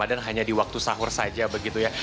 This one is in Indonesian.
karena ramadan hanya di waktu sahur saja begitu ya